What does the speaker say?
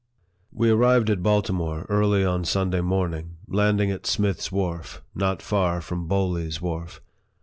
We arrived at Baltimore early on Sunday morning, landing at Smith's Wharf, not far from Bowley's Wharf.